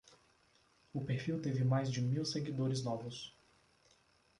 O perfil teve mais de mil seguidores novos